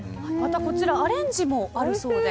こちら、アレンジもあるそうで。